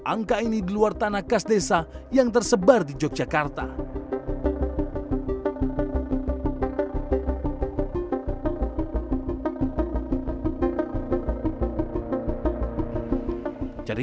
angka ini di luar tanah kas desa yang tersebar di yogyakarta